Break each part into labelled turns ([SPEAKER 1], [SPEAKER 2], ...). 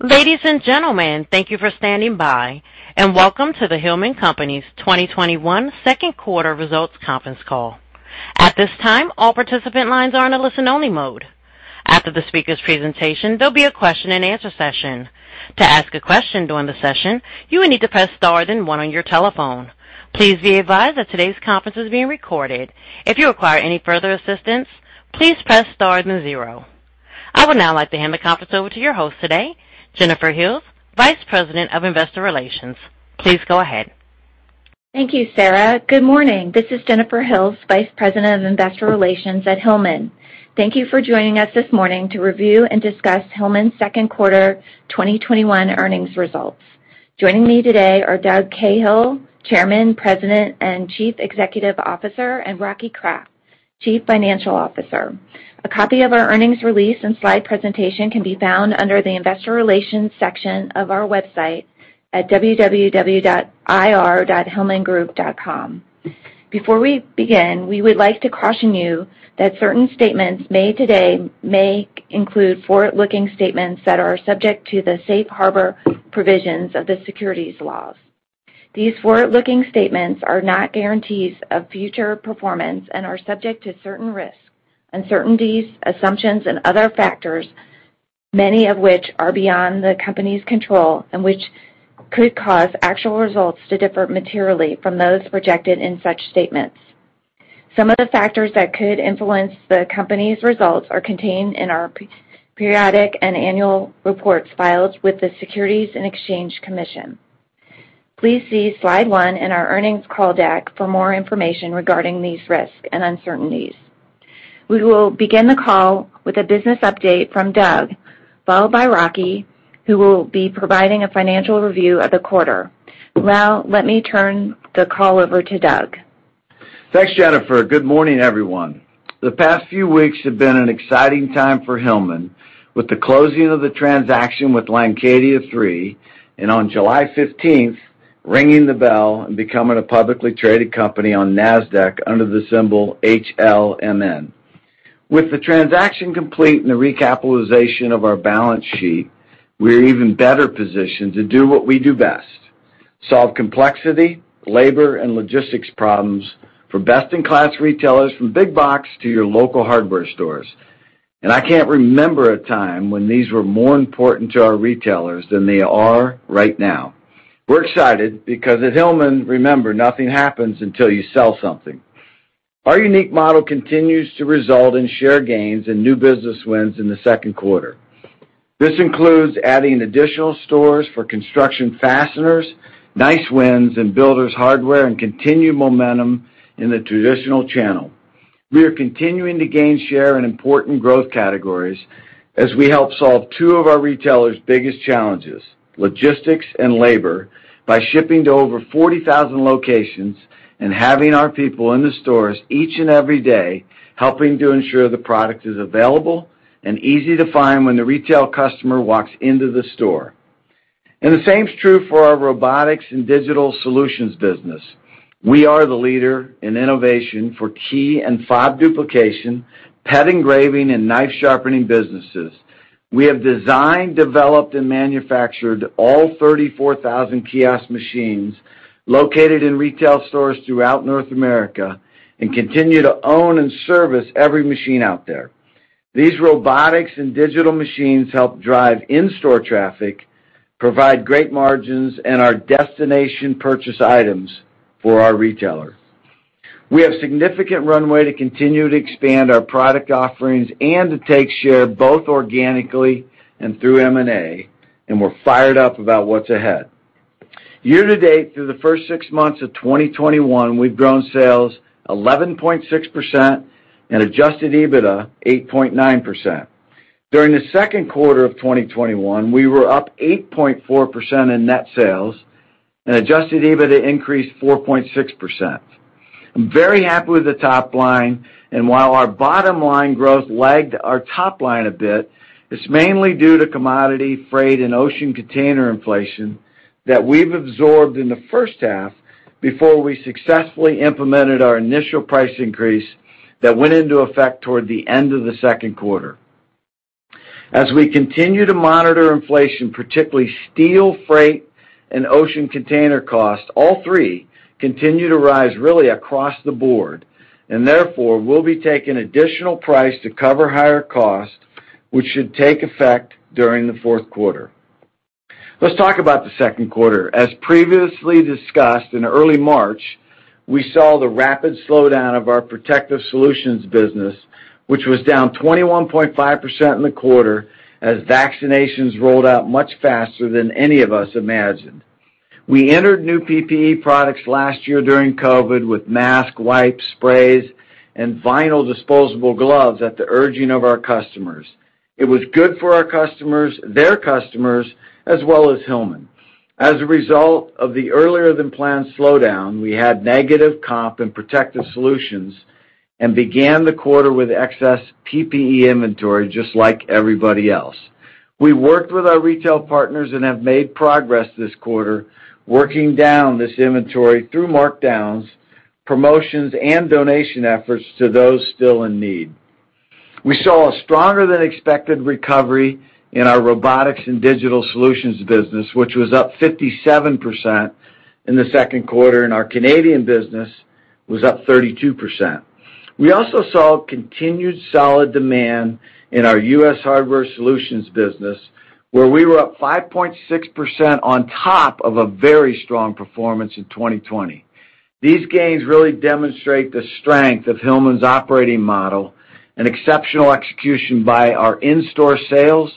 [SPEAKER 1] Ladies and gentlemen, thank you for standing by, and welcome to the Hillman Solutions Corp.'s 2021 second quarter results conference call. At this time, all participant lines are in a listen-only mode. After the speaker's presentation, there'll be a question and answer session. To ask a question during the session, you will need to press star then one on your telephone. Please be advised that today's conference is being recorded. If you require any further assistance, please press star then zero. I would now like to hand the conference over to your host today, Jennifer Hills, Vice President of Investor Relations. Please go ahead.
[SPEAKER 2] Thank you, Sarah. Good morning. This is Jennifer Hills, Vice President of Investor Relations at Hillman. Thank you for joining us this morning to review and discuss Hillman's second quarter 2021 earnings results. Joining me today are Doug Cahill, Chairman, President, and Chief Executive Officer, and Rocky Kraft, Chief Financial Officer. A copy of our earnings release and slide presentation can be found under the Investor Relations section of our website at ir.hillmangroup.com. Before we begin, we would like to caution you that certain statements made today may include forward-looking statements that are subject to the safe harbor provisions of the securities laws. These forward-looking statements are not guarantees of future performance and are subject to certain risks, uncertainties, assumptions, and other factors, many of which are beyond the company's control and which could cause actual results to differ materially from those projected in such statements. Some of the factors that could influence the company's results are contained in our periodic and annual reports filed with the Securities and Exchange Commission. Please see slide one in our earnings call deck for more information regarding these risks and uncertainties. We will begin the call with a business update from Doug, followed by Rocky, who will be providing a financial review of the quarter. Now, let me turn the call over to Doug.
[SPEAKER 3] Thanks, Jennifer. Good morning, everyone. The past few weeks have been an exciting time for Hillman, with the closing of the transaction with Landcadia III, and on July 15th, ringing the bell and becoming a publicly traded company on Nasdaq under the symbol HLMN. With the transaction complete and the recapitalization of our balance sheet, we're even better positioned to do what we do best: solve complexity, labor, and logistics problems for best-in-class retailers from big box to your local hardware stores. I can't remember a time when these were more important to our retailers than they are right now. We're excited because at Hillman, remember, nothing happens until you sell something. Our unique model continues to result in share gains and new business wins in the second quarter. This includes adding additional stores for construction fasteners, nice wins in builder's hardware, and continued momentum in the traditional channel. We are continuing to gain share in important growth categories as we help solve two of our retailers' biggest challenges, logistics and labor, by shipping to over 40,000 locations and having our people in the stores each and every day, helping to ensure the product is available and easy to find when the retail customer walks into the store. The same is true for our Robotics and Digital Solutions business. We are the leader in innovation for key and fob duplication, pet engraving, and knife sharpening businesses. We have designed, developed, and manufactured all 34,000 kiosk machines located in retail stores throughout North America and continue to own and service every machine out there. These robotics and digital machines help drive in-store traffic, provide great margins, and are destination purchase items for our retailers. We have significant runway to continue to expand our product offerings and to take share both organically and through M&A, we're fired up about what's ahead. Year-to-date, through the first six months of 2021, we've grown sales 11.6% and adjusted EBITDA 8.9%. During the second quarter of 2021, we were up 8.4% in net sales and adjusted EBITDA increased 4.6%. I'm very happy with the top line, while our bottom line growth lagged our top line a bit, it's mainly due to commodity, freight, and ocean container inflation that we've absorbed in the first half before we successfully implemented our initial price increase that went into effect toward the end of the second quarter. As we continue to monitor inflation, particularly steel, freight, and ocean container costs, all three continue to rise really across the board. Therefore, we'll be taking additional price to cover higher costs, which should take effect during the fourth quarter. Let's talk about the second quarter. As previously discussed, in early March, we saw the rapid slowdown of our Protective Solutions business, which was down 21.5% in the quarter as vaccinations rolled out much faster than any of us imagined. We entered new PPE products last year during COVID with masks, wipes, sprays, and vinyl disposable gloves at the urging of our customers. It was good for our customers, their customers, as well as Hillman. As a result of the earlier-than-planned slowdown, we had negative comp in Protective Solutions and began the quarter with excess PPE inventory just like everybody else. We worked with our retail partners and have made progress this quarter, working down this inventory through markdowns, promotions, and donation efforts to those still in need. We saw a stronger than expected recovery in our Robotics and Digital Solutions business, which was up 57% in the second quarter, and our Canadian business was up 32%. We also saw continued solid demand in our U.S. Hardware Solutions business, where we were up 5.6% on top of a very strong performance in 2020. These gains really demonstrate the strength of Hillman's operating model and exceptional execution by our in-store sales,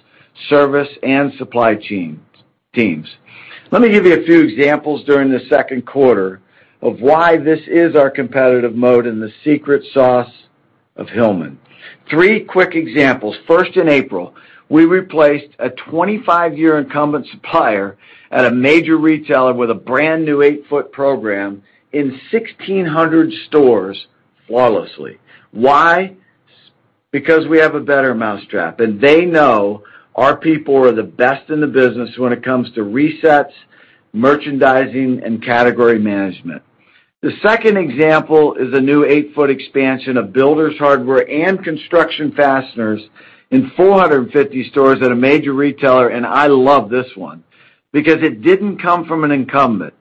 [SPEAKER 3] service, and supply teams. Let me give you a few examples during the second quarter of why this is our competitive mode and the secret sauce of Hillman. Three quick examples. First, in April, we replaced a 25-year incumbent supplier at a major retailer with a brand-new 8-foot program in 1,600 stores flawlessly. Why? Because we have a better mousetrap, and they know our people are the best in the business when it comes to resets, merchandising, and category management. The second example is a new 8-foot expansion of builders' hardware and construction fasteners in 450 stores at a major retailer, and I love this one because it didn't come from an incumbent.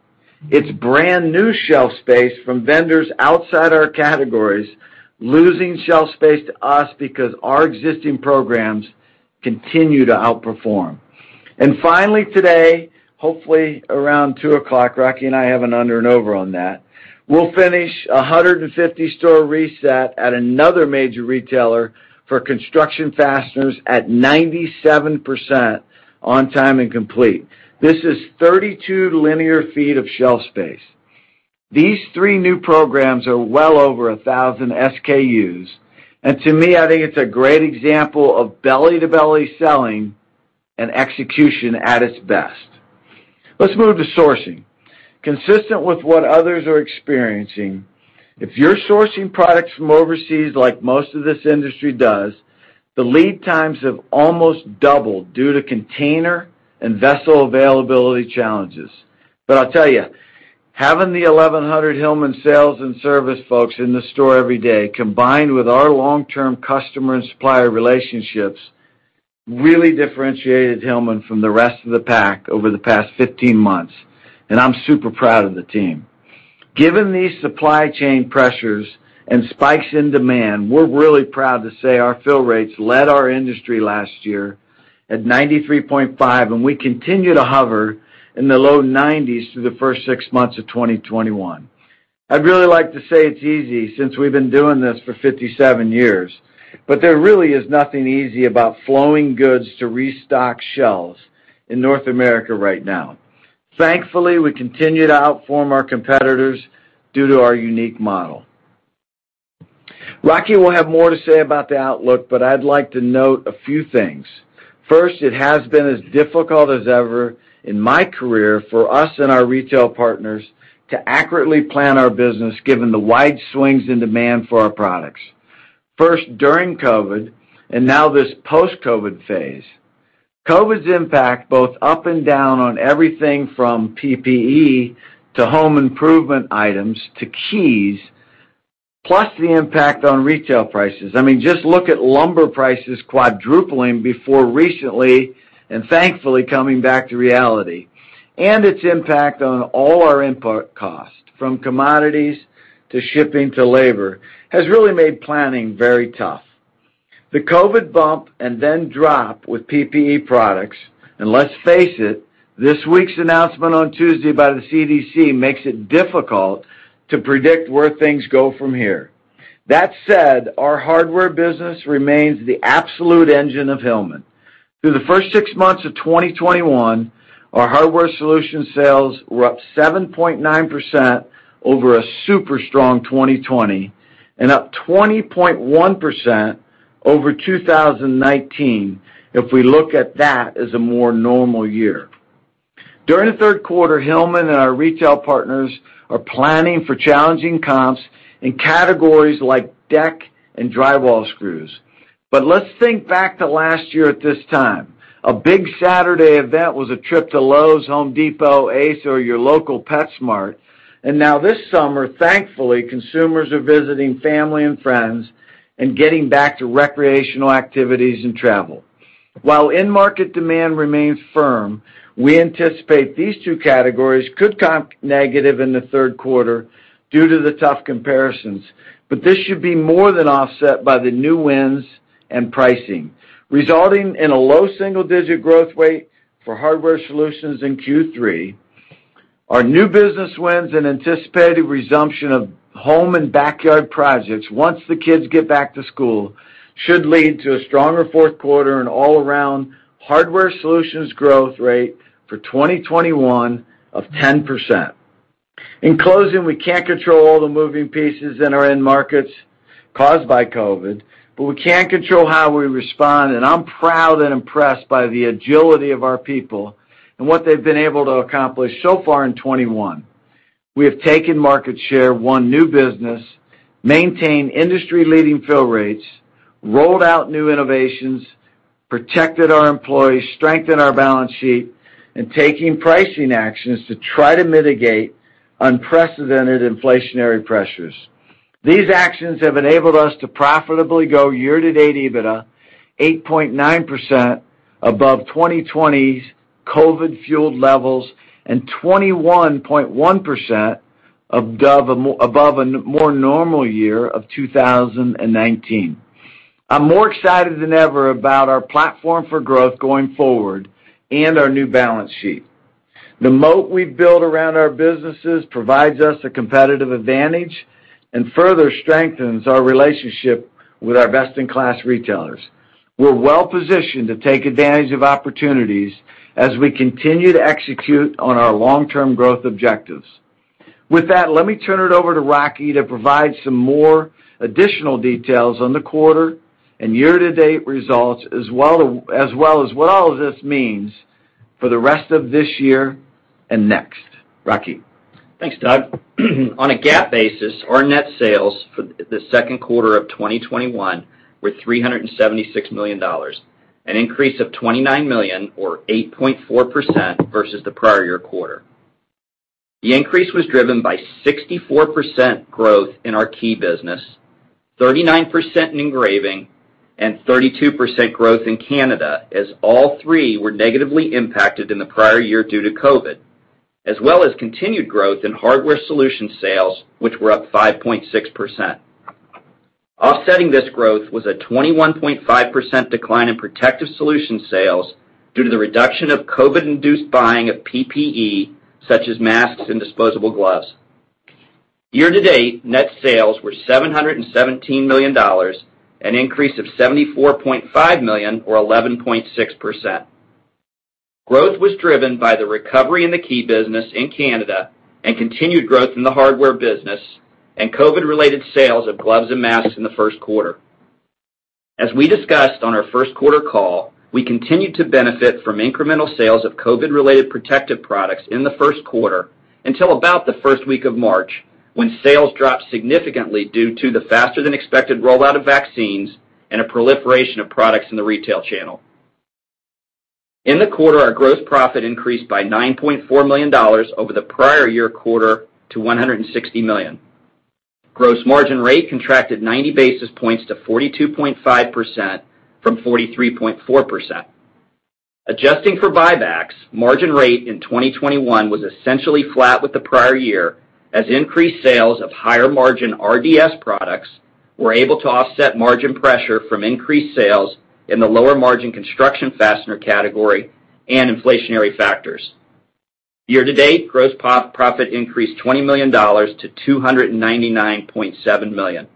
[SPEAKER 3] It's brand-new shelf space from vendors outside our categories, losing shelf space to us because our existing programs continue to outperform. Finally, today, hopefully around 2:00 P.M., Rocky and I have an under and over on that, we'll finish 150-store reset at another major retailer for construction fasteners at 97% on time and complete. This is 32 linear feet of shelf space. These three new programs are well over 1,000 SKUs. To me, I think it's a great example of belly-to-belly selling and execution at its best. Let's move to sourcing. Consistent with what others are experiencing, if you're sourcing products from overseas like most of this industry does, the lead times have almost doubled due to container and vessel availability challenges. I'll tell you, having the 1,100 Hillman sales and service folks in the store every day, combined with our long-term customer and supplier relationships, really differentiated Hillman from the rest of the pack over the past 15 months, and I'm super proud of the team. Given these supply chain pressures and spikes in demand, we're really proud to say our fill rates led our industry last year at 93.5%, and we continue to hover in the low 90s through the first six months of 2021. I'd really like to say it's easy since we've been doing this for 57 years, but there really is nothing easy about flowing goods to restock shelves in North America right now. Thankfully, we continue to outperform our competitors due to our unique model. Rocky will have more to say about the outlook, but I'd like to note a few things. First, it has been as difficult as ever in my career for us and our retail partners to accurately plan our business given the wide swings in demand for our products. First, during COVID, and now this post-COVID phase. COVID's impact both up and down on everything from PPE to home improvement items to keys, plus the impact on retail prices. I mean, just look at lumber prices quadrupling before recently, and thankfully, coming back to reality, and its impact on all our input costs, from commodities to shipping to labor, has really made planning very tough. The COVID bump and then drop with PPE products, and let's face it, this week's announcement on Tuesday by the CDC makes it difficult to predict where things go from here. That said, our hardware business remains the absolute engine of Hillman. Through the first six months of 2021, our Hardware Solutions sales were up 7.9% over a super strong 2020 and up 20.1% over 2019 if we look at that as a more normal year. During the third quarter, Hillman and our retail partners are planning for challenging comps in categories like deck and drywall screws. Let's think back to last year at this time. A big Saturday event was a trip to Lowe's, Home Depot, Ace, or your local PetSmart. Now this summer, thankfully, consumers are visiting family and friends and getting back to recreational activities and travel. While in-market demand remains firm, we anticipate these two categories could comp negative in the third quarter due to the tough comparisons, but this should be more than offset by the new wins and pricing, resulting in a low single-digit growth rate for Hardware Solutions in Q3. Our new business wins and anticipated resumption of home and backyard projects, once the kids get back to school, should lead to a stronger fourth quarter and all around Hardware Solutions growth rate for 2021 of 10%. In closing, we can't control all the moving pieces in our end markets caused by COVID, we can control how we respond, and I'm proud and impressed by the agility of our people and what they've been able to accomplish so far in 2021. We have taken market share, won new business, maintained industry-leading fill rates, rolled out new innovations. Protected our employees, strengthened our balance sheet, and taking pricing actions to try to mitigate unprecedented inflationary pressures. These actions have enabled us to profitably grow year-to-date EBITDA 8.9% above 2020's COVID-fueled levels, and 21.1% above a more normal year of 2019. I'm more excited than ever about our platform for growth going forward and our new balance sheet. The moat we've built around our businesses provides us a competitive advantage and further strengthens our relationship with our best-in-class retailers. We're well-positioned to take advantage of opportunities as we continue to execute on our long-term growth objectives. Let me turn it over to Rocky to provide some more additional details on the quarter and year-to-date results, as well as what all of this means for the rest of this year and next. Rocky?
[SPEAKER 4] Thanks, Doug. On a GAAP basis, our net sales for the second quarter of 2021 were $376 million, an increase of $29 million, or 8.4%, versus the prior year quarter. The increase was driven by 64% growth in our key business, 39% in engraving, and 32% growth in Canada, as all three were negatively impacted in the prior year due to COVID, as well as continued growth in Hardware Solutions sales, which were up 5.6%. Offsetting this growth was a 21.5% decline in Protective Solutions sales due to the reduction of COVID-induced buying of PPE, such as masks and disposable gloves. Year-to-date, net sales were $717 million, an increase of $74.5 million, or 11.6%. Growth was driven by the recovery in the key business in Canada and continued growth in the Hardware business and COVID-related sales of gloves and masks in the first quarter. As we discussed on our first quarter call, we continued to benefit from incremental sales of COVID-related protective products in the first quarter until about the first week of March, when sales dropped significantly due to the faster-than-expected rollout of vaccines and a proliferation of products in the retail channel. In the quarter, our gross profit increased by $9.4 million over the prior year quarter to $160 million. Gross margin rate contracted 90 basis points to 42.5% from 43.4%. Adjusting for buybacks, margin rate in 2021 was essentially flat with the prior year, as increased sales of higher margin RDS products were able to offset margin pressure from increased sales in the lower margin construction fastener category and inflationary factors. Year-to-date, gross profit increased $20 million-$299.7 million.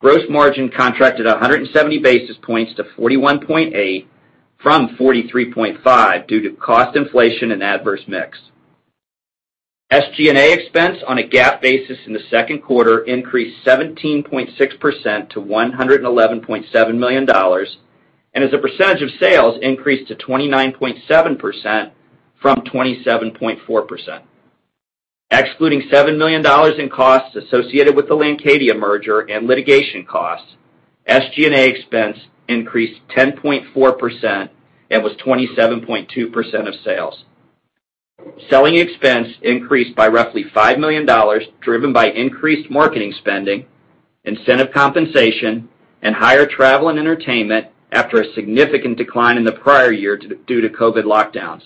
[SPEAKER 4] Gross margin contracted 170 basis points to 41.8% from 43.5% due to cost inflation and adverse mix. SG&A expense on a GAAP basis in the second quarter increased 17.6% to $111.7 million. As a percentage of sales, increased to 29.7% from 27.4%. Excluding $7 million in costs associated with the Landcadia merger and litigation costs, SG&A expense increased 10.4% and was 27.2% of sales. Selling expense increased by roughly $5 million, driven by increased marketing spending, incentive compensation, and higher travel and entertainment after a significant decline in the prior year due to COVID lockdowns.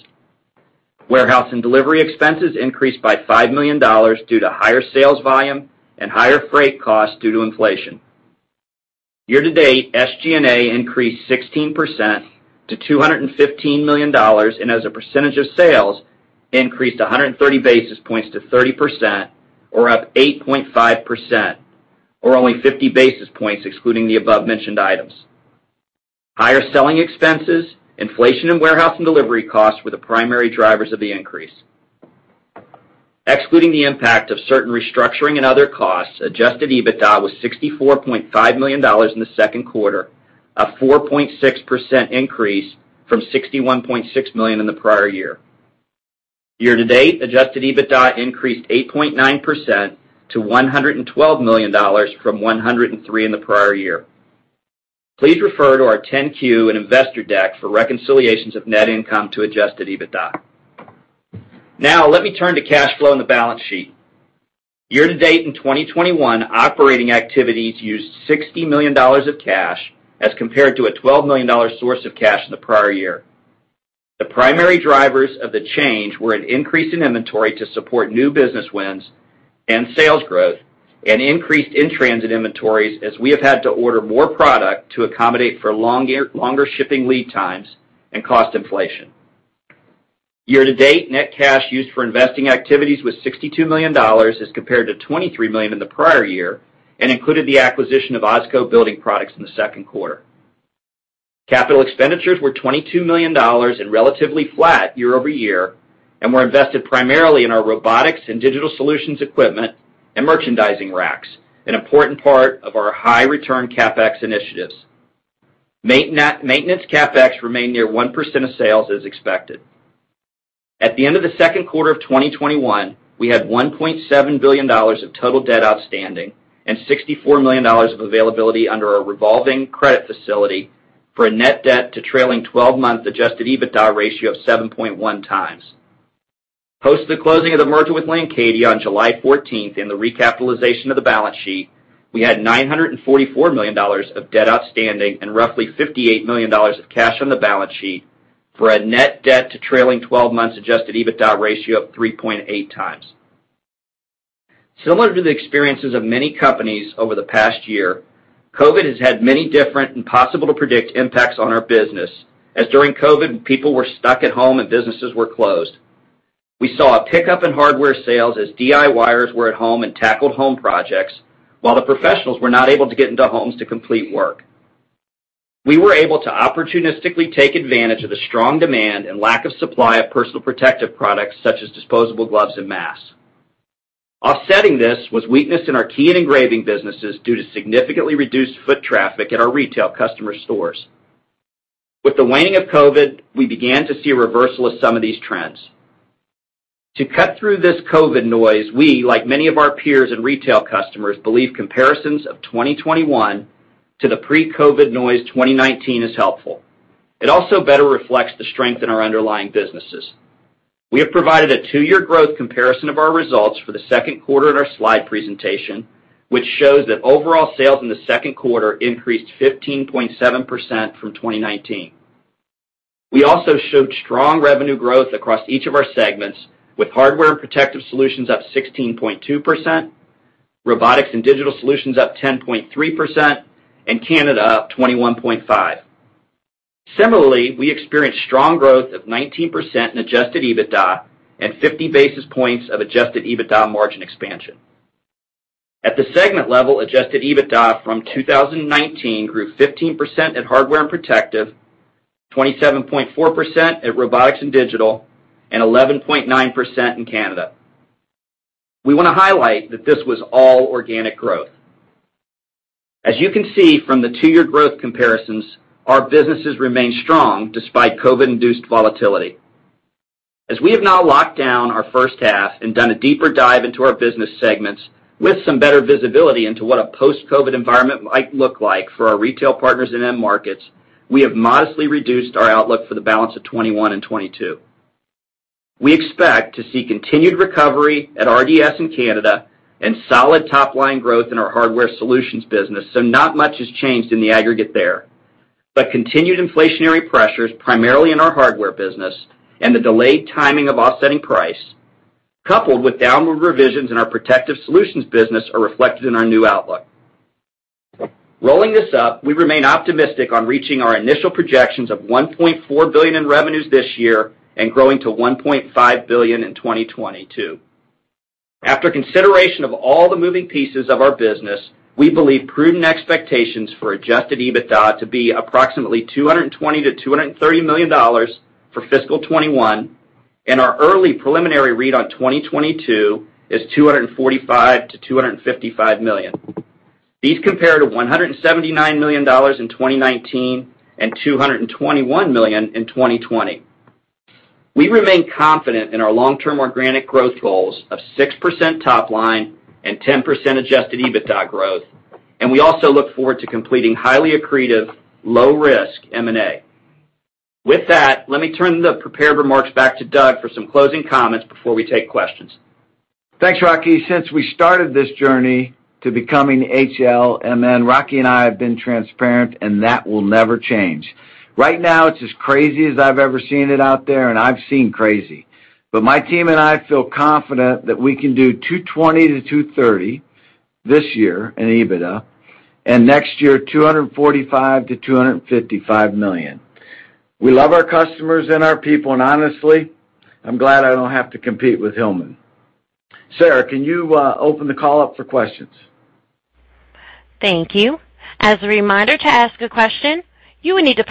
[SPEAKER 4] Warehouse and delivery expenses increased by $5 million due to higher sales volume and higher freight costs due to inflation. Year-to-date, SG&A increased 16% to $215 million. As a percentage of sales, increased 130 basis points to 30%, or up 8.5%, or only 50 basis points excluding the above-mentioned items. Higher selling expenses, inflation in warehouse and delivery costs were the primary drivers of the increase. Excluding the impact of certain restructuring and other costs, adjusted EBITDA was $64.5 million in the second quarter, a 4.6% increase from $61.6 million in the prior year. Year-to-date, adjusted EBITDA increased 8.9% to $112 million from $103 million in the prior year. Please refer to our 10-Q and investor deck for reconciliations of net income to adjusted EBITDA. Let me turn to cash flow in the balance sheet. Year-to-date in 2021, operating activities used $60 million of cash as compared to a $12 million source of cash in the prior year. The primary drivers of the change were an increase in inventory to support new business wins and sales growth, and increased in-transit inventories as we have had to order more product to accommodate for longer shipping lead times and cost inflation. Year-to-date, net cash used for investing activities was $62 million as compared to $23 million in the prior year, and included the acquisition of OZCO Building Products in the second quarter. Capital expenditures were $22 million and relatively flat year-over-year, and were invested primarily in our Robotics and Digital Solutions equipment and merchandising racks, an important part of our high return CapEx initiatives. Maintenance CapEx remained near 1% of sales as expected. At the end of the second quarter of 2021, we had $1.7 billion of total debt outstanding and $64 million of availability under our revolving credit facility for a net debt to trailing 12-month adjusted EBITDA ratio of 7.1x. Post the closing of the merger with Landcadia on July 14th and the recapitalization of the balance sheet, we had $944 million of debt outstanding and roughly $58 million of cash on the balance sheet for a net debt to trailing 12 months adjusted EBITDA ratio of 3.8x. Similar to the experiences of many companies over the past year, COVID has had many different and possible to predict impacts on our business, as during COVID, people were stuck at home and businesses were closed. We saw a pickup in hardware sales as DIYers were at home and tackled home projects, while the professionals were not able to get into homes to complete work. We were able to opportunistically take advantage of the strong demand and lack of supply of personal protective products such as disposable gloves and masks. Offsetting this was weakness in our key and engraving businesses due to significantly reduced foot traffic at our retail customer stores. With the waning of COVID, we began to see a reversal of some of these trends. To cut through this COVID noise, we, like many of our peers and retail customers, believe comparisons of 2021 to the pre-COVID noise 2019 is helpful. It also better reflects the strength in our underlying businesses. We have provided a two-year growth comparison of our results for the second quarter in our slide presentation, which shows that overall sales in the second quarter increased 15.7% from 2019. We also showed strong revenue growth across each of our segments, with Hardware and Protective Solutions up 16.2%, Robotics and Digital Solutions up 10.3%, and Canada up 21.5%. Similarly, we experienced strong growth of 19% in adjusted EBITDA and 50 basis points of adjusted EBITDA margin expansion. At the segment level, adjusted EBITDA from 2019 grew 15% at Hardware and Protective, 27.4% at Robotics and Digital, and 11.9% in Canada. We want to highlight that this was all organic growth. As you can see from the two-year growth comparisons, our businesses remain strong despite COVID-induced volatility. As we have now locked down our first half and done a deeper dive into our business segments, with some better visibility into what a post-COVID environment might look like for our retail partners and end markets, we have modestly reduced our outlook for the balance of 2021 and 2022. We expect to see continued recovery at RDS in Canada and solid top-line growth in our Hardware Solutions business, so not much has changed in the aggregate there. Continued inflationary pressures, primarily in our hardware business, and the delayed timing of offsetting price, coupled with downward revisions in our Protective Solutions business, are reflected in our new outlook. Rolling this up, we remain optimistic on reaching our initial projections of $1.4 billion in revenues this year and growing to $1.5 billion in 2022. After consideration of all the moving pieces of our business, we believe prudent expectations for adjusted EBITDA to be approximately $220 million-$230 million for fiscal 2021, and our early preliminary read on 2022 is $245 million-$255 million. These compare to $179 million in 2019 and $221 million in 2020. We remain confident in our long-term organic growth goals of 6% top line and 10% adjusted EBITDA growth, and we also look forward to completing highly accretive, low risk M&A. With that, let me turn the prepared remarks back to Doug for some closing comments before we take questions.
[SPEAKER 3] Thanks, Rocky. Since we started this journey to becoming HLMN, Rocky and I have been transparent, and that will never change. Right now, it's as crazy as I've ever seen it out there, and I've seen crazy. My team and I feel confident that we can do $220 million-$230 million this year in EBITDA, and next year, $245 million-$255 million. We love our customers and our people, and honestly, I'm glad I don't have to compete with Hillman. Sarah, can you open the call up for questions?
[SPEAKER 1] Thank you. Our first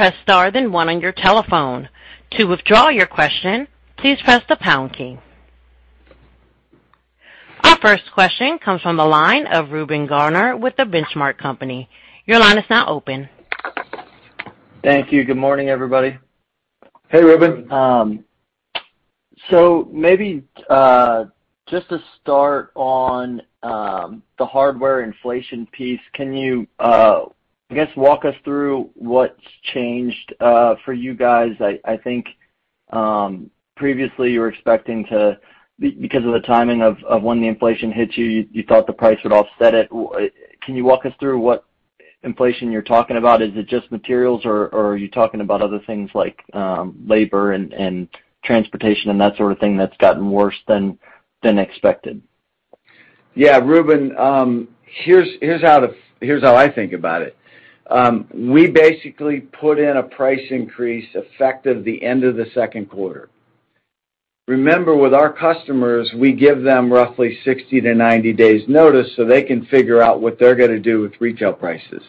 [SPEAKER 1] question comes from the line of Reuben Garner with The Benchmark Company. Your line is now open.
[SPEAKER 5] Thank you. Good morning, everybody.
[SPEAKER 3] Hey, Reuben.
[SPEAKER 5] Maybe just to start on the hardware inflation piece, can you, I guess, walk us through what's changed for you guys? I think previously you were expecting because of the timing of when the inflation hit you thought the price would offset it. Can you walk us through what inflation you're talking about? Is it just materials, or are you talking about other things like labor and transportation and that sort of thing that's gotten worse than expected?
[SPEAKER 3] Yeah, Reuben, here's how I think about it. We basically put in a price increase effective the end of the second quarter. Remember, with our customers, we give them roughly 60-90 days notice so they can figure out what they're gonna do with retail prices.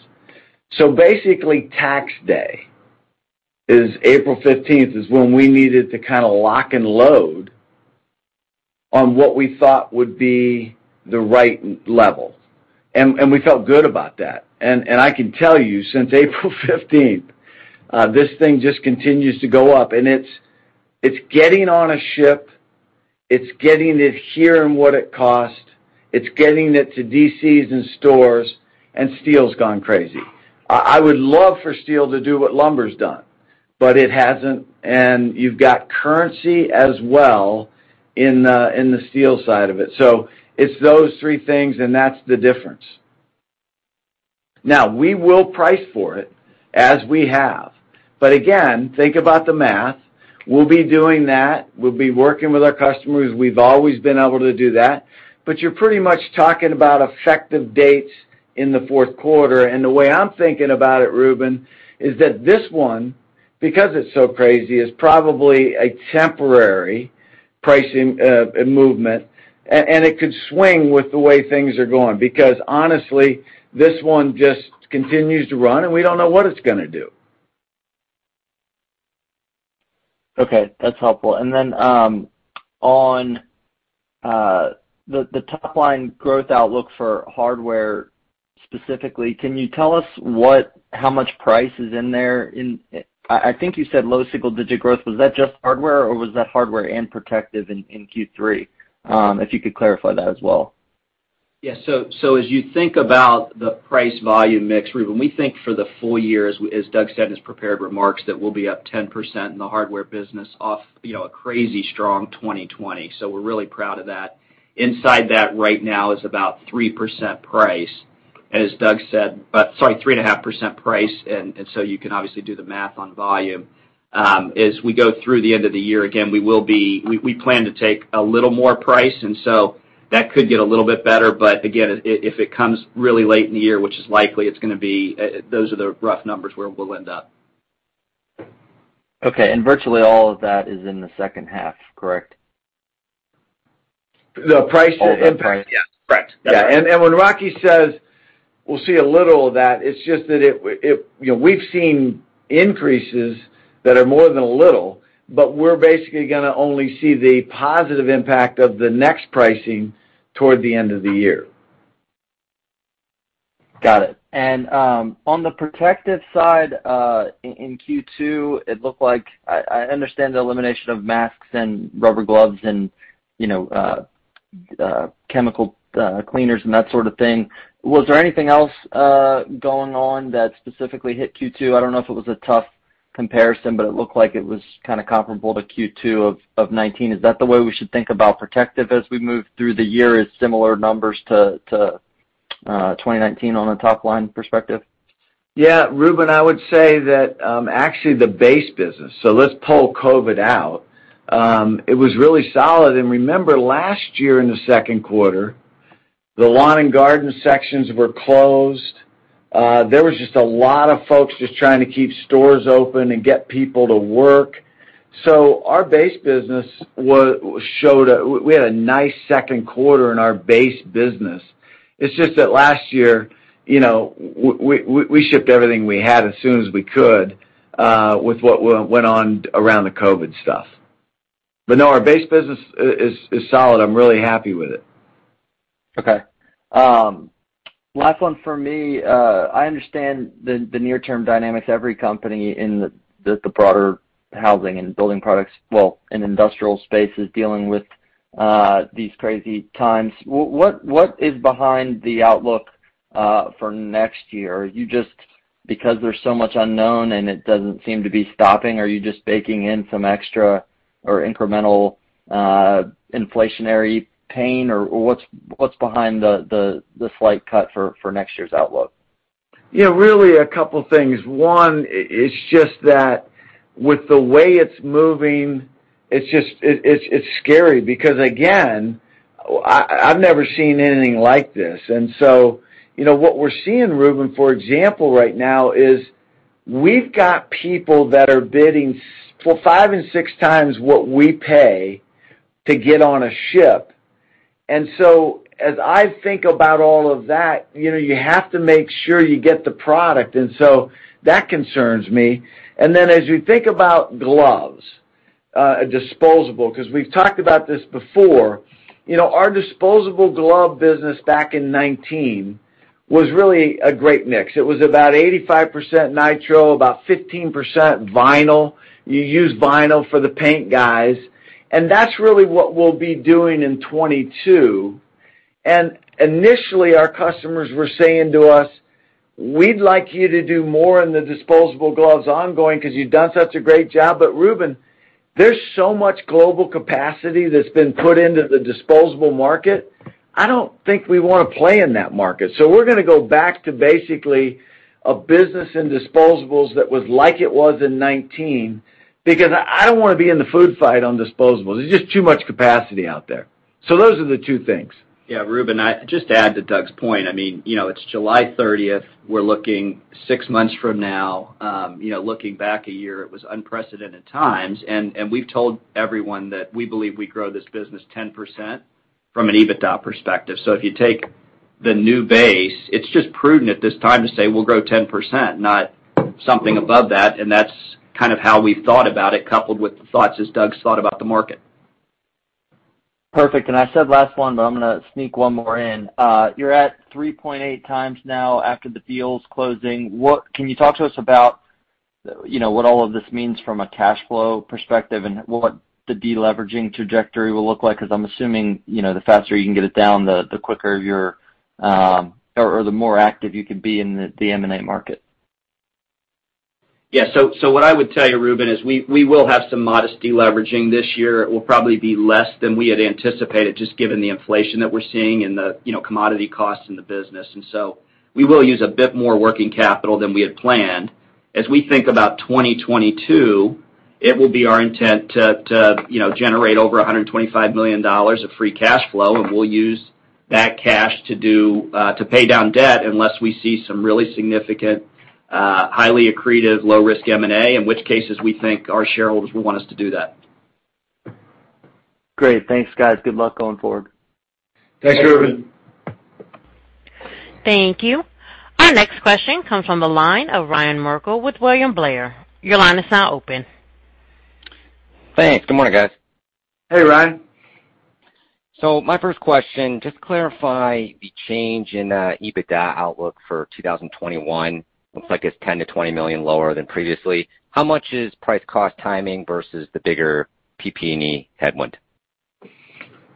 [SPEAKER 3] Basically, Tax Day is April 15th, is when we needed to kinda lock and load on what we thought would be the right level. We felt good about that. I can tell you since April 15th, this thing just continues to go up, and it's getting on a ship, it's getting it here and what it costs, it's getting it to DCs and stores, and steel's gone crazy. I would love for steel to do what lumber's done, but it hasn't, and you've got currency as well in the steel side of it. It's those three things, and that's the difference. We will price for it as we have. Again, think about the math. We'll be doing that. We'll be working with our customers. We've always been able to do that, but you're pretty much talking about effective dates in the fourth quarter. The way I'm thinking about it, Reuben, is that this one, because it's so crazy, is probably a temporary pricing movement, and it could swing with the way things are going because honestly, this one just continues to run and we don't know what it's going to do.
[SPEAKER 5] Okay, that's helpful. On the top-line growth outlook for Hardware specifically, can you tell us how much price is in there? I think you said low single-digit growth. Was that just Hardware or was that Hardware and Protective in Q3? If you could clarify that as well.
[SPEAKER 4] Yes. As you think about the price-volume mix, Reuben, we think for the full year, as Doug said in his prepared remarks, that we'll be up 10% in the hardware business off a crazy strong 2020. We're really proud of that. Inside that right now is about 3% price, as Doug said. Sorry, 3.5% price, you can obviously do the math on volume. As we go through the end of the year, again, we plan to take a little more price, that could get a little bit better. Again, if it comes really late in the year, which is likely, those are the rough numbers where we'll end up.
[SPEAKER 5] Okay, virtually all of that is in the second half, correct?
[SPEAKER 3] The price impact?
[SPEAKER 5] Yeah, correct.
[SPEAKER 3] When Rocky says we'll see a little of that, it's just that we've seen increases that are more than a little, but we're basically going to only see the positive impact of the next pricing toward the end of the year.
[SPEAKER 5] Got it. On the Protective side, in Q2, I understand the elimination of masks and rubber gloves and chemical cleaners and that sort of thing. Was there anything else going on that specifically hit Q2? I don't know if it was a tough comparison, it looked like it was kind of comparable to Q2 of 2019. Is that the way we should think about Protective as we move through the year as similar numbers to 2019 on a top-line perspective?
[SPEAKER 3] Reuben, I would say that, actually the base business. Let's pull COVID out. It was really solid. Remember last year in the second quarter, the lawn and garden sections were closed. There was just a lot of folks just trying to keep stores open and get people to work. We had a nice second quarter in our base business. It's just that last year, we shipped everything we had as soon as we could, with what went on around the COVID stuff. No, our base business is solid. I'm really happy with it.
[SPEAKER 5] Okay. Last one from me. I understand the near-term dynamics. Every company in the broader housing and building products, well, in industrial space is dealing with these crazy times. What is behind the outlook for next year? There's so much unknown and it doesn't seem to be stopping, are you just baking in some extra or incremental inflationary pain, or what's behind the slight cut for next year's outlook?
[SPEAKER 3] Really a couple things. One, it's just that with the way it's moving, it's scary because, again, I've never seen anything like this. What we're seeing, Reuben, for example right now, is we've got people that are bidding five and six times what we pay to get on a ship. As I think about all of that, you have to make sure you get the product, and so that concerns me. Then as you think about gloves, disposable, because we've talked about this before. Our disposable glove business back in 2019 was really a great mix. It was about 85% nitrile, about 15% vinyl. You use vinyl for the paint guys, and that's really what we'll be doing in 2022. Initially our customers were saying to us, "We'd like you to do more in the disposable gloves ongoing because you've done such a great job." Reuben, there's so much global capacity that's been put into the disposable market. I don't think we want to play in that market. We're going to go back to basically a business in disposables that was like it was in 2019 because I don't want to be in the food fight on disposables. There's just too much capacity out there. Those are the two things.
[SPEAKER 4] Yeah, Reuben, just to add to Doug's point, it's July 30th. We're looking six months from now. Looking back a year, it was unprecedented times. We've told everyone that we believe we grow this business 10% from an EBITDA perspective. If you take the new base, it's just prudent at this time to say we'll grow 10%, not something above that. That's kind of how we've thought about it, coupled with the thoughts as Doug's thought about the market.
[SPEAKER 5] Perfect. I said last one, but I'm going to sneak one more in. You're at 3.8x now after the deals closing. Can you talk to us about what all of this means from a cash flow perspective and what the de-leveraging trajectory will look like? I'm assuming, the faster you can get it down, the quicker or the more active you could be in the M&A market.
[SPEAKER 4] What I would tell you, Reuben, is we will have some modest de-leveraging this year. It will probably be less than we had anticipated, just given the inflation that we're seeing and the commodity costs in the business. We will use a bit more working capital than we had planned. As we think about 2022, it will be our intent to generate over $125 million of free cash flow, and we'll use that cash to pay down debt unless we see some really significant, highly accretive, low risk M&A, in which cases we think our shareholders will want us to do that.
[SPEAKER 5] Great. Thanks, guys. Good luck going forward.
[SPEAKER 3] Thanks, Reuben.
[SPEAKER 1] Thank you. Our next question comes from the line of Ryan Merkel with William Blair. Your line is now open.
[SPEAKER 6] Thanks. Good morning, guys.
[SPEAKER 3] Hey, Ryan.
[SPEAKER 6] My first question, just clarify the change in EBITDA outlook for 2021. Looks like it's $10 million-$20 million lower than previously. How much is price cost timing versus the bigger PP&E headwind?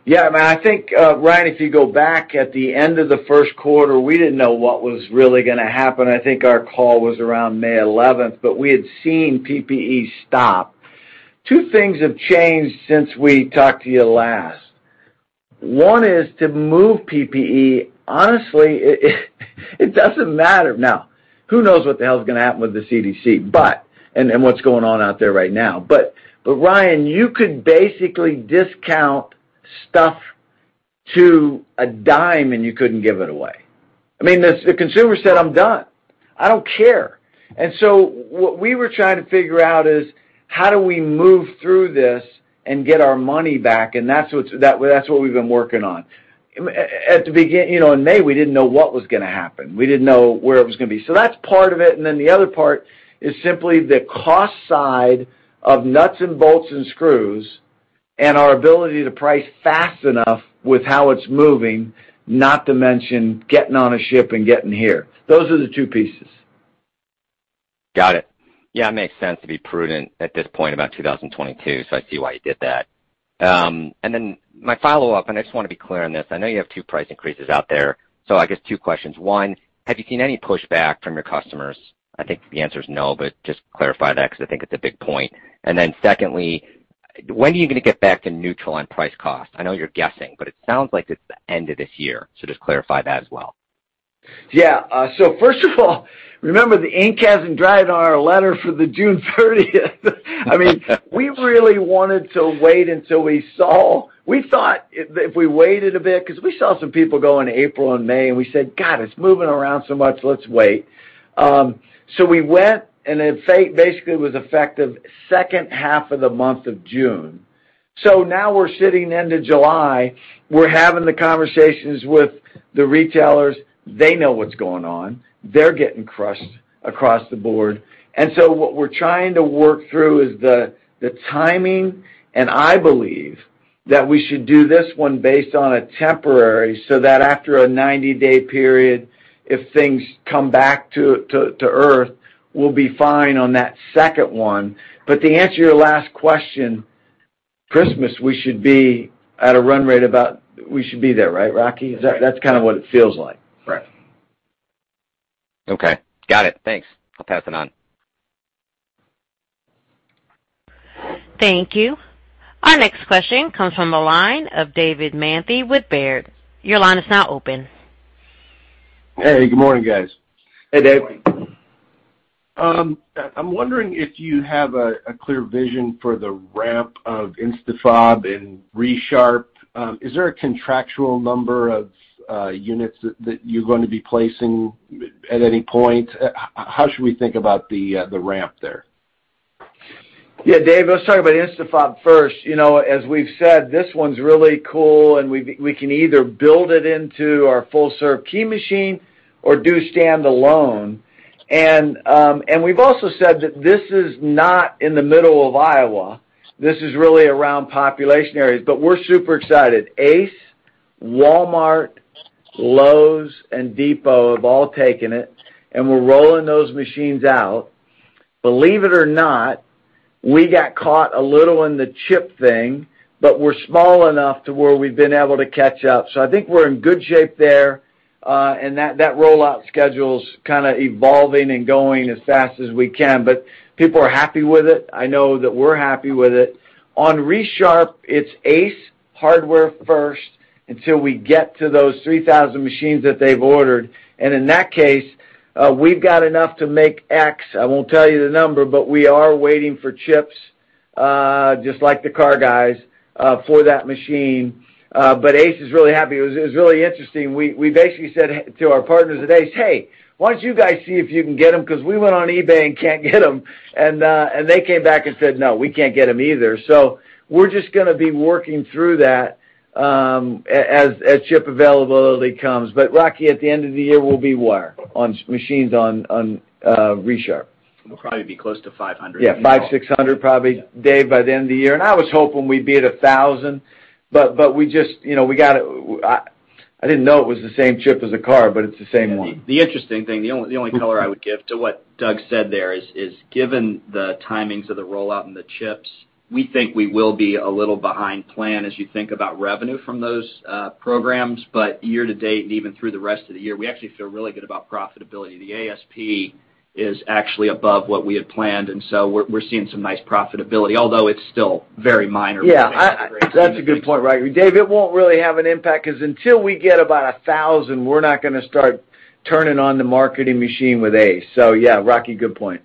[SPEAKER 3] Yeah, man, I think, Ryan, if you go back at the end of the first quarter, we didn't know what was really going to happen. I think our call was around May 11th. We had seen PPE stop. Two things have changed since we talked to you last. One is to move PPE. Honestly, it doesn't matter. Now, who knows what the hell's going to happen with the CDC, and what's going on out there right now. Ryan, you could basically discount stuff to a dime, and you couldn't give it away. I mean, the consumer said, "I'm done. I don't care." What we were trying to figure out is how do we move through this and get our money back? That's what we've been working on. In May, we didn't know what was going to happen. We didn't know where it was going to be. That's part of it. The other part is simply the cost side of nuts and bolts and screws, and our ability to price fast enough with how it's moving, not to mention getting on a ship and getting here. Those are the two pieces.
[SPEAKER 6] Got it. Yeah, it makes sense to be prudent at this point about 2022. I see why you did that. My follow-up, and I just want to be clear on this, I know you have two price increases out there. I guess two questions. One, have you seen any pushback from your customers? I think the answer's no, but just clarify that, because I think it's a big point. Secondly, when are you going to get back to neutral on price cost? I know you're guessing, but it sounds like it's the end of this year. Just clarify that as well.
[SPEAKER 3] Yeah. First of all, remember the ink hasn't dried on our letter for the June 30th. We really wanted to wait until we thought if we waited a bit, because we saw some people go in April and May, and we said, "God, it's moving around so much. Let's wait." We went, and then basically it was effective second half of the month of June. Now we're sitting end of July, we're having the conversations with the retailers. They know what's going on. They're getting crushed across the board. What we're trying to work through is the timing, and I believe that we should do this one based on a temporary, so that after a 90-day period, if things come back to earth, we'll be fine on that second one. To answer your last question, Christmas, we should be at a run rate We should be there, right, Rocky?
[SPEAKER 4] Right.
[SPEAKER 3] That's kind of what it feels like.
[SPEAKER 4] Right.
[SPEAKER 6] Okay. Got it. Thanks. I'll pass it on.
[SPEAKER 1] Thank you. Our next question comes from the line of David Manthey with Baird. Your line is now open.
[SPEAKER 7] Hey, good morning, guys.
[SPEAKER 3] Hey, Dave.
[SPEAKER 7] I'm wondering if you have a clear vision for the ramp of InstaFob and Resharp. Is there a contractual number of units that you're going to be placing at any point? How should we think about the ramp there?
[SPEAKER 3] Yeah, Dave, let's talk about InstaFob first. As we've said, this one's really cool, and we can either build it into our full-serve key machine or do standalone. We've also said that this is not in the middle of Iowa. This is really around population areas. We're super excited. Ace, Walmart, Lowe's, and Depot have all taken it, and we're rolling those machines out. Believe it or not, we got caught a little in the chip thing, but we're small enough to where we've been able to catch up. I think we're in good shape there. That rollout schedule's kind of evolving and going as fast as we can. People are happy with it. I know that we're happy with it. On Resharp, it's Ace Hardware first until we get to those 3,000 machines that they've ordered. In that case, we've got enough to make X. I won't tell you the number, but we are waiting for chips, just like the car guys, for that machine. Ace is really happy. It was really interesting. We basically said to our partners at Ace, "Hey, why don't you guys see if you can get them? Because we went on eBay and can't get them." They came back and said, "No, we can't get them either." We're just going to be working through that as chip availability comes. Rocky, at the end of the year, we'll be where on machines on Resharp?
[SPEAKER 4] We'll probably be close to 500.
[SPEAKER 3] Yeah. 500, 600 probably, Dave, by the end of the year. I was hoping we'd be at 1,000, but I didn't know it was the same chip as a car, but it's the same one.
[SPEAKER 4] The interesting thing, the only color I would give to what Doug said there is, given the timings of the rollout and the chips, we think we will be a little behind plan as you think about revenue from those programs. Year-to-date and even through the rest of the year, we actually feel really good about profitability. The ASP is actually above what we had planned. We're seeing some nice profitability, although it's still very minor.
[SPEAKER 3] Yeah. That's a good point, Rocky. Dave, it won't really have an impact because until we get about 1,000, we're not going to start turning on the marketing machine with ACE. Yeah, Rocky, good point.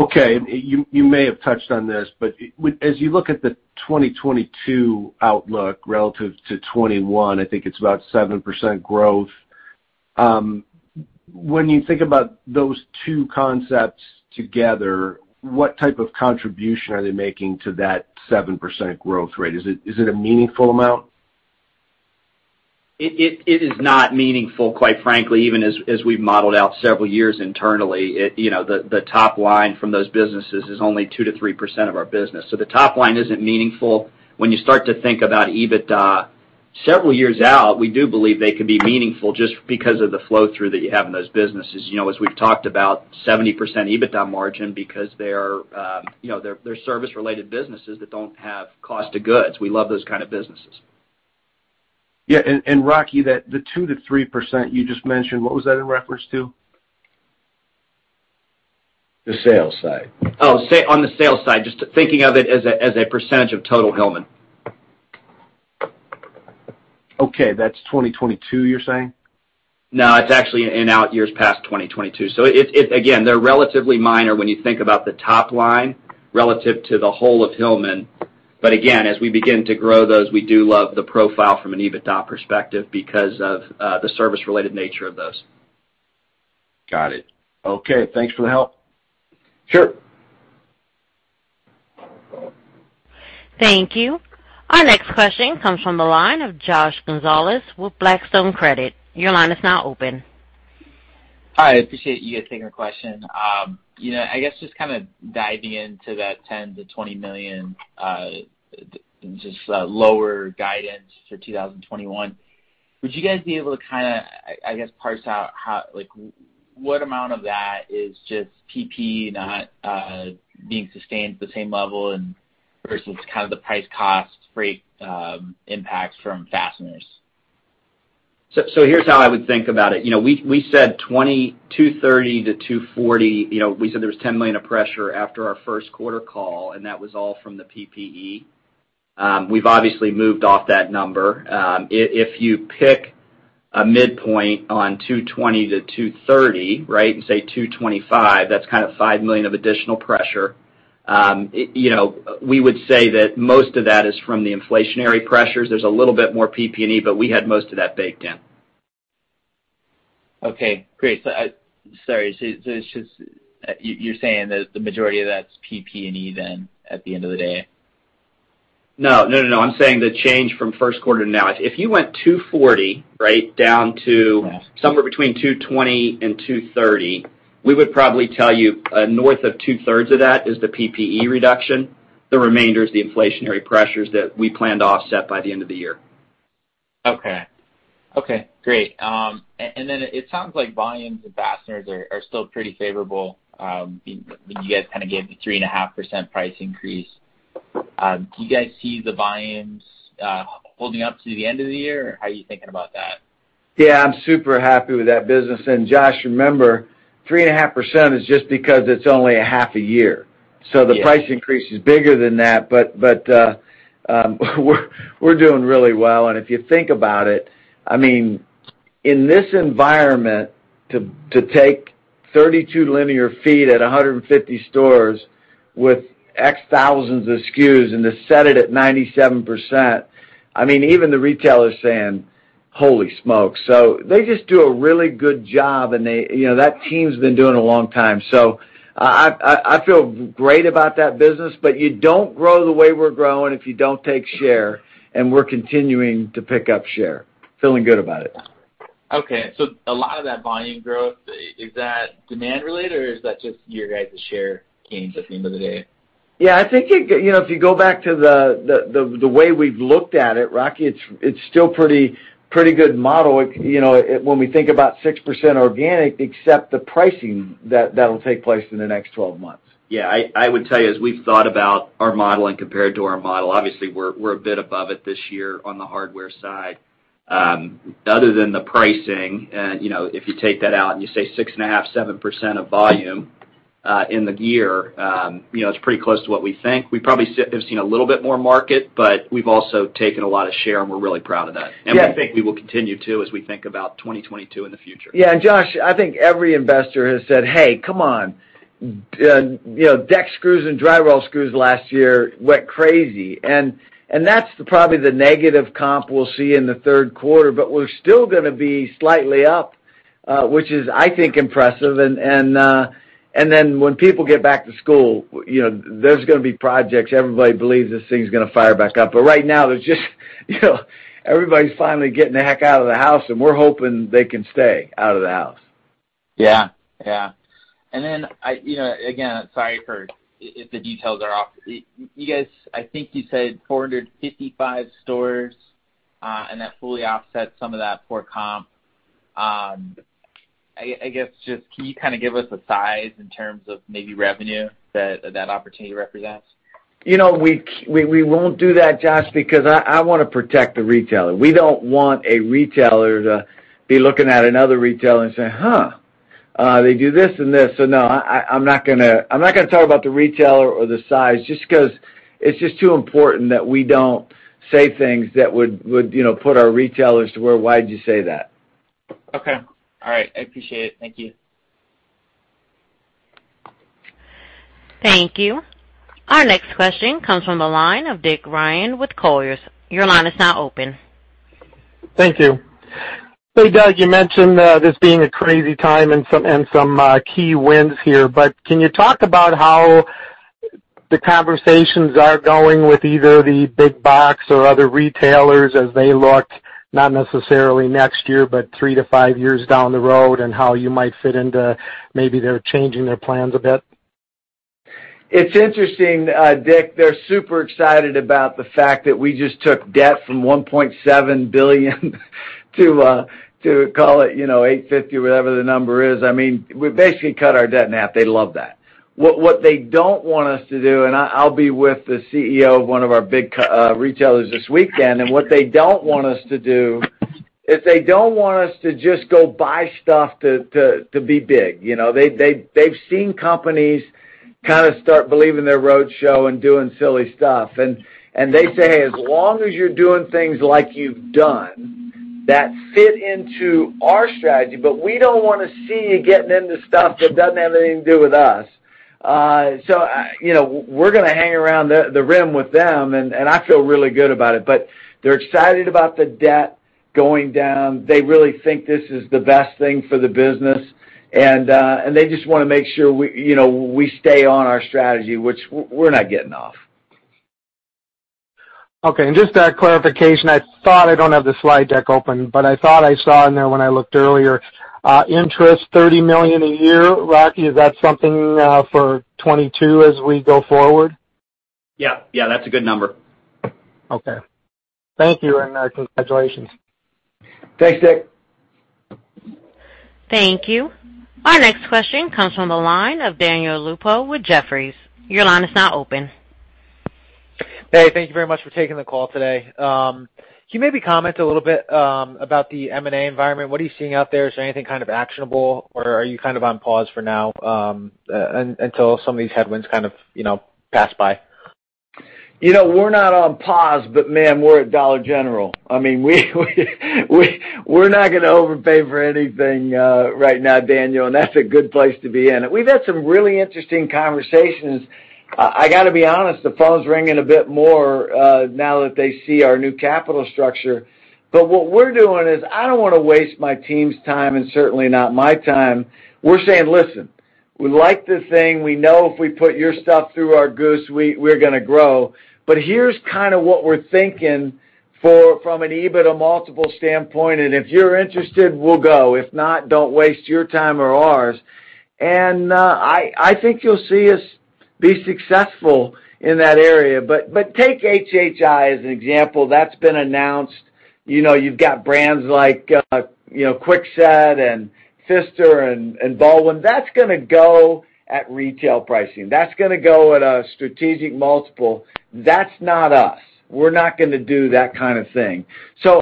[SPEAKER 7] Okay. You may have touched on this, but as you look at the 2022 outlook relative to 2021, I think it's about 7% growth. When you think about those two concepts together, what type of contribution are they making to that 7% growth rate? Is it a meaningful amount?
[SPEAKER 4] It is not meaningful, quite frankly, even as we've modeled out several years internally. The top line from those businesses is only 2%-3% of our business. The top line isn't meaningful. When you start to think about EBITDA several years out, we do believe they could be meaningful just because of the flow-through that you have in those businesses. As we've talked about 70% EBITDA margin because they're service-related businesses that don't have cost of goods. We love those kind of businesses.
[SPEAKER 7] Yeah. Rocky, the 2%-3% you just mentioned, what was that in reference to?
[SPEAKER 3] The sales side.
[SPEAKER 4] Oh, on the sales side, just thinking of it as a percentage of total Hillman.
[SPEAKER 7] Okay. That's 2022, you're saying?
[SPEAKER 4] It's actually in out years past 2022. Again, they're relatively minor when you think about the top line relative to the whole of Hillman. Again, as we begin to grow those, we do love the profile from an EBITDA perspective because of the service-related nature of those.
[SPEAKER 7] Got it. Okay. Thanks for the help.
[SPEAKER 3] Sure.
[SPEAKER 1] Thank you. Our next question comes from the line of Josh Gonzalez with Blackstone Credit. Your line is now open.
[SPEAKER 8] Hi, I appreciate you guys taking my question. I guess just kind of diving into that $10 million-$20 million, just lower guidance for 2021. Would you guys be able to kind of, I guess, parse out what amount of that is just PPE not being sustained at the same level versus kind of the price cost freight impacts from fasteners?
[SPEAKER 4] Here's how I would think about it. We said $230 million-$240 million, we said there was $10 million of pressure after our first quarter call, that was all from the PPE. We've obviously moved off that number. If you pick a midpoint on $220 million-$230 million, right, and say $225 million, that's kind of $5 million of additional pressure. We would say that most of that is from the inflationary pressures. There's a little bit more PPE, but we had most of that baked in.
[SPEAKER 8] Okay, great. Sorry. You're saying that the majority of that's PPE then, at the end of the day?
[SPEAKER 4] No. I'm saying the change from first quarter to now. If you went $240 million, right, down to somewhere between $220 million-$230 million, we would probably tell you north of 2/3 of that is the PPE reduction. The remainder is the inflationary pressures that we planned to offset by the end of the year.
[SPEAKER 8] Okay. Great. It sounds like volumes and fasteners are still pretty favorable. You guys kind of gave a 3.5% price increase. Do you guys see the volumes holding up through the end of the year? How are you thinking about that?
[SPEAKER 3] Yeah, I'm super happy with that business. Josh, remember, 3.5% is just because it's only a half a year.
[SPEAKER 8] Yeah.
[SPEAKER 3] The price increase is bigger than that, but we're doing really well. If you think about it, in this environment, to take 32 linear feet at 150 stores with X thousands of SKUs and to set it at 97%, even the retailer's saying, "Holy smoke." They just do a really good job, and that team's been doing it a long time. I feel great about that business, but you don't grow the way we're growing if you don't take share, and we're continuing to pick up share. Feeling good about it.
[SPEAKER 8] Okay. A lot of that volume growth, is that demand related or is that just your guys' share gains at the end of the day?
[SPEAKER 3] Yeah. If you go back to the way we've looked at it, Rocky, it's still pretty good model when we think about 6% organic, except the pricing that'll take place in the next 12 months.
[SPEAKER 4] Yeah. I would tell you, as we've thought about our model and compared to our model, obviously we're a bit above it this year on the hardware side. Other than the pricing, if you take that out and you say 6.5%, 7% of volume in the year, it's pretty close to what we think. We probably have seen a little bit more market, but we've also taken a lot of share, and we're really proud of that.
[SPEAKER 3] Yeah.
[SPEAKER 4] We think we will continue to as we think about 2022 in the future.
[SPEAKER 3] Yeah. Josh, I think every investor has said, "Hey, come on. Deck screws and drywall screws last year went crazy." That's probably the negative comp we'll see in the third quarter, but we're still going to be slightly up, which is, I think, impressive. Then when people get back to school, there's going to be projects. Everybody believes this thing's going to fire back up. Right now, everybody's finally getting the heck out of the house, and we're hoping they can stay out of the house.
[SPEAKER 8] Yeah. Again, sorry if the details are off. You guys, I think you said 455 stores, that fully offsets some of that poor comp. I guess just can you give us a size in terms of maybe revenue that that opportunity represents?
[SPEAKER 3] We won't do that, Josh, because I want to protect the retailer. We don't want a retailer to be looking at another retailer and say, "Huh. They do this and this." No, I'm not going to talk about the retailer or the size just because it's just too important that we don't say things that would put our retailers to where, "Why'd you say that?"
[SPEAKER 8] Okay. All right. I appreciate it. Thank you.
[SPEAKER 1] Thank you. Our next question comes from the line of Dick Ryan with Colliers. Your line is now open.
[SPEAKER 9] Thank you. Hey, Doug, you mentioned, this being a crazy time and some key wins here, but can you talk about how the conversations are going with either the big box or other retailers as they look, not necessarily next year, but three to five years down the road, and how you might fit into maybe they're changing their plans a bit?
[SPEAKER 3] It's interesting, Dick. They're super excited about the fact that we just took debt from $1.7 billion to call it, $850 million, whatever the number is. We basically cut our debt in half. They love that. What they don't want us to do, and I'll be with the CEO of one of our big retailers this weekend, and what they don't want us to do is they don't want us to just go buy stuff to be big. They've seen companies start believing their roadshow and doing silly stuff. They say, "As long as you're doing things like you've done that fit into our strategy, but we don't want to see you getting into stuff that doesn't have anything to do with us." We're going to hang around the rim with them, and I feel really good about it. They're excited about the debt going down. They really think this is the best thing for the business. They just want to make sure we stay on our strategy, which we're not getting off.
[SPEAKER 9] Okay. Just a clarification, I thought I don't have the slide deck open, but I thought I saw in there when I looked earlier, interest, $30 million a year. Rocky, is that something for 2022 as we go forward?
[SPEAKER 4] Yeah. That's a good number.
[SPEAKER 9] Okay. Thank you, and congratulations.
[SPEAKER 3] Thanks, Dick.
[SPEAKER 1] Thank you. Our next question comes from the line of Daniel Lupo with Jefferies. Your line is now open.
[SPEAKER 10] Hey, thank you very much for taking the call today. Can you maybe comment a little bit about the M&A environment? What are you seeing out there? Is there anything actionable, or are you on pause for now until some of these headwinds pass by?
[SPEAKER 3] We're not on pause, man, we're at Dollar General. We're not going to overpay for anything right now, Daniel, and that's a good place to be in. We've had some really interesting conversations. I got to be honest, the phone's ringing a bit more, now that they see our new capital structure. What we're doing is I don't want to waste my team's time and certainly not my time. We're saying, "Listen, we like this thing. We know if we put your stuff through our goose, we're going to grow. Here's what we're thinking from an EBITDA multiple standpoint, and if you're interested, we'll go. If not, don't waste your time or ours." I think you'll see us be successful in that area. Take HHI as an example. That's been announced. You've got brands like Kwikset and Pfister and Baldwin. That's going to go at retail pricing. That's going to go at a strategic multiple. That's not us. We're not going to do that kind of thing.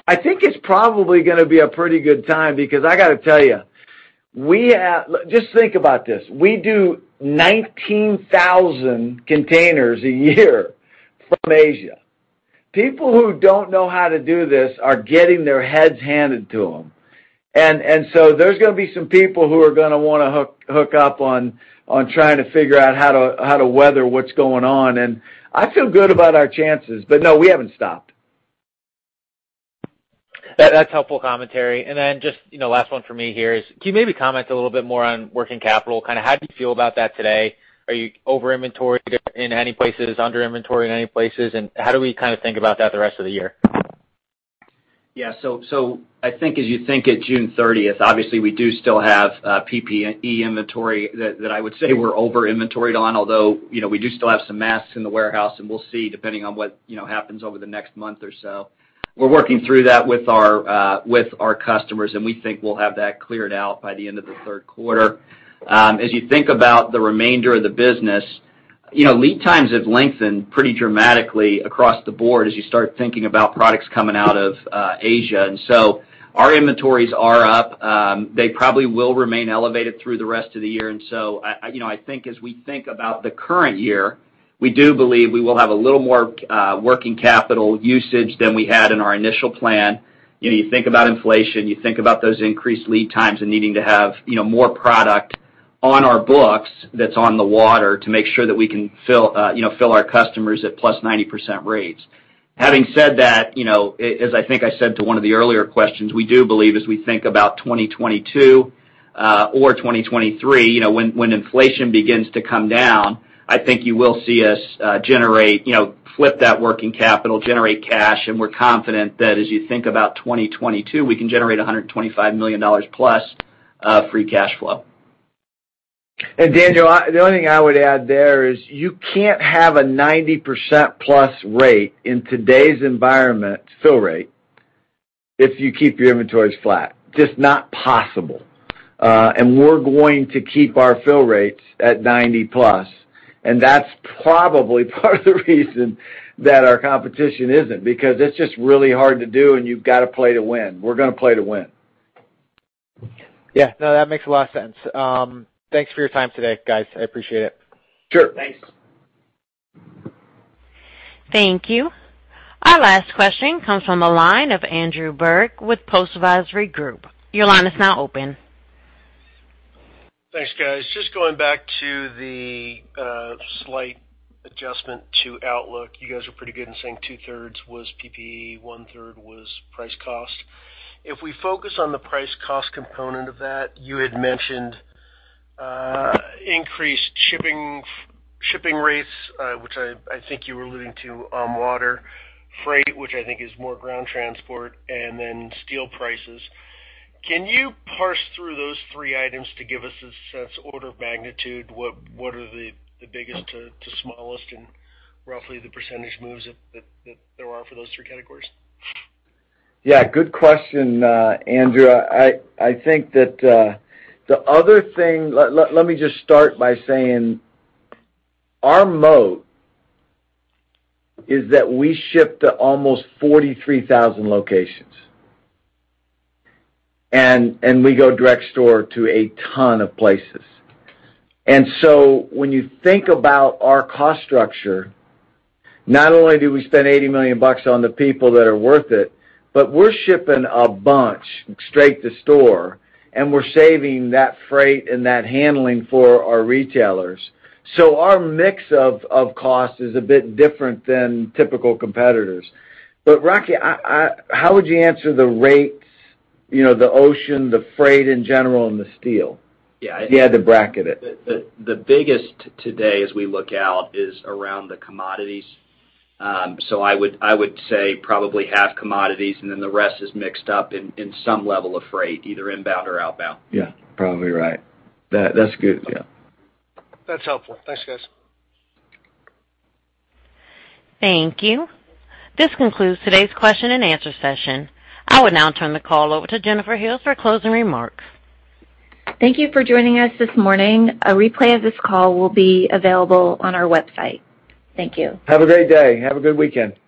[SPEAKER 3] I think it's probably going to be a pretty good time because I got to tell you, just think about this. We do 19,000 containers a year from Asia. People who don't know how to do this are getting their heads handed to them. There's going to be some people who are going to want to hook up on trying to figure out how to weather what's going on. I feel good about our chances. No, we haven't stopped.
[SPEAKER 10] That's helpful commentary. Just last one for me here is, can you maybe comment a little bit more on working capital? How do you feel about that today? Are you over-inventoried in any places, under-inventoried in any places? How do we think about that the rest of the year?
[SPEAKER 4] I think as you think at June 30th, obviously, we do still have PPE inventory that I would say we're over-inventoried on. We do still have some masks in the warehouse, and we'll see, depending on what happens over the next month or so. We're working through that with our customers, and we think we'll have that cleared out by the end of the third quarter. As you think about the remainder of the business, lead times have lengthened pretty dramatically across the board as you start thinking about products coming out of Asia. Our inventories are up. They probably will remain elevated through the rest of the year. I think as we think about the current year, we do believe we will have a little more working capital usage than we had in our initial plan. You think about inflation, you think about those increased lead times and needing to have more product on our books, that's on the water to make sure that we can fill our customers at 90%+ rates. Having said that, as I think I said to one of the earlier questions, we do believe as we think about 2022 or 2023, when inflation begins to come down, I think you will see us flip that working capital, generate cash, and we're confident that as you think about 2022, we can generate $125 million+ free cash flow.
[SPEAKER 3] Daniel, the only thing I would add there is you can't have a 90%+ rate in today's environment, fill rate, if you keep your inventories flat. Just not possible. We're going to keep our fill rates at 90%+, and that's probably part of the reason that our competition isn't, because it's just really hard to do and you've got to play to win. We're going to play to win.
[SPEAKER 10] Yeah. No, that makes a lot of sense. Thanks for your time today, guys. I appreciate it.
[SPEAKER 3] Sure.
[SPEAKER 4] Thanks.
[SPEAKER 1] Thank you. Our last question comes from the line of Andrew Berg with Post Advisory Group. Your line is now open.
[SPEAKER 11] Thanks, guys. Just going back to the slight adjustment to outlook. You guys were pretty good in saying 2/3 was PPE, 1/3 was price cost. If we focus on the price cost component of that, you had mentioned increased shipping rates, which I think you were alluding to on water, freight, which I think is more ground transport, and then steel prices. Can you parse through those three items to give us a sense, order of magnitude? What are the biggest to smallest and roughly the percentage moves that there are for those three categories?
[SPEAKER 3] Good question, Andrew. Let me just start by saying, our moat is that we ship to almost 43,000 locations. We go direct store to a ton of places. When you think about our cost structure, not only do we spend $80 million on the people that are worth it, but we're shipping a bunch straight to store, and we're saving that freight and that handling for our retailers. Our mix of cost is a bit different than typical competitors. Rocky, how would you answer the rates, the ocean, the freight in general, and the steel?
[SPEAKER 4] Yeah.
[SPEAKER 3] If you had to bracket it.
[SPEAKER 4] The biggest today as we look out is around the commodities. I would say probably half commodities and then the rest is mixed up in some level of freight, either inbound or outbound.
[SPEAKER 3] Yeah, probably right. That's good. Yeah.
[SPEAKER 11] That's helpful. Thanks, guys.
[SPEAKER 1] Thank you. This concludes today's question and answer session. I would now turn the call over to Jennifer Hills for closing remarks.
[SPEAKER 2] Thank you for joining us this morning. A replay of this call will be available on our website. Thank you.
[SPEAKER 3] Have a great day. Have a good weekend.